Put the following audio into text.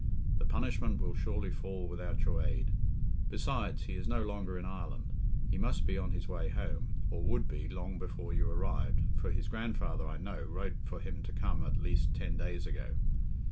The punishment will surely fall without your aid. Besides, he is no longer in Ireland. He must be on his way home—or would be, long before you arrived, for his grandfather, I know, wrote for him to come at least ten days ago.